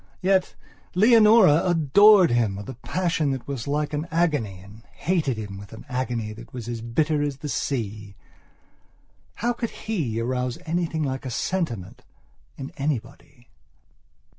Yet, Leonora adored him with a passion that was like an agony, and hated him with an agony that was as bitter as the sea. How could he arouse anything like a sentiment, in anybody?